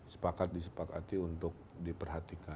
sepakat disepakati untuk diperhatikan